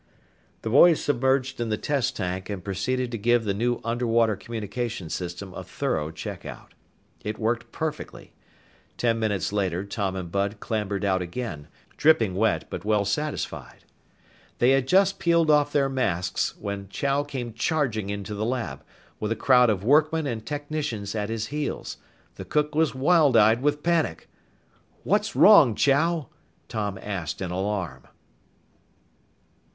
The boys submerged in the test tank and proceeded to give the new underwater communication system a thorough check out. It worked perfectly. Ten minutes later Tom and Bud clambered out again, dripping wet but well satisfied. They had just peeled off their masks when Chow came charging into the lab, with a crowd of workmen and technicians at his heels. The cook was wild eyed with panic. "What's wrong, Chow?" Tom asked in alarm.